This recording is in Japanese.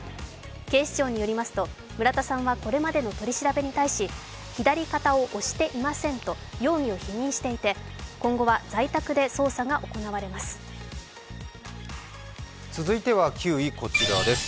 警視庁によりますと村田さんはこれまでの取り調べに対し、左肩を押していませんと容疑を否認していて、今後は在宅で捜査が行われます。